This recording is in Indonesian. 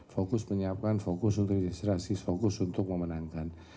fokus menyiapkan fokus untuk insiserasi fokus untuk memenangkan